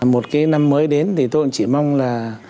một cái năm mới đến thì tôi cũng chỉ mong là